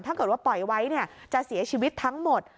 ถ้าเกิดว่าปล่อยไว้จะเสียชีวิตทั้งหมด